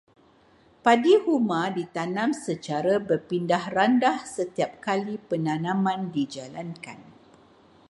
Padi huma ditanam secara berpindah-randah setiap kali penanaman dijalankan.